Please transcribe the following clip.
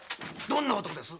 どんな男なんです？